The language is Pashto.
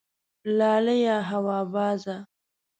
لالیه هوا بازه